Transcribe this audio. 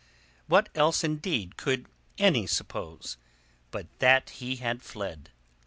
What else indeed could any suppose, but that he had fled?